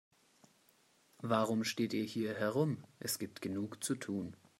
Warum steht ihr hier herum, es gibt genug zu tun.